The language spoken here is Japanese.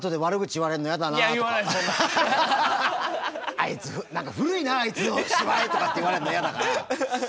「あいつ何か古いなあいつの芝居」とかって言われんの嫌だから。